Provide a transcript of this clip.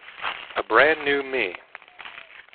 A Brand-New Me!